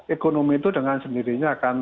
ekonomi itu dengan sendirinya akan